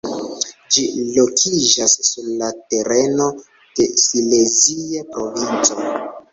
Ĝi lokiĝas sur la tereno de Silezia Provinco.